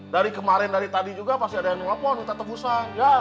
dari kemarin dari tadi juga pasti ada yang nge phone kita tebusan